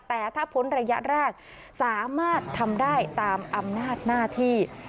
แต่ถ้าพ้นระยะแรกสามารถทำได้ตามอำนาจหน้าที่